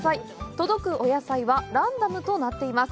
届く野菜はランダムとなっています。